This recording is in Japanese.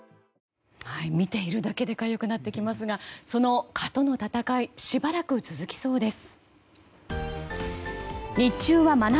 見ているだけでかゆくなってきますがその蚊との戦いしばらく続きそうです。